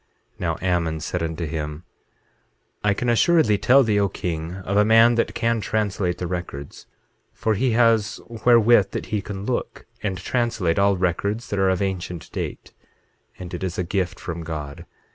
8:13 Now Ammon said unto him: I can assuredly tell thee, O king, of a man that can translate the records; for he has wherewith that he can look, and translate all records that are of ancient date; and it is a gift from God.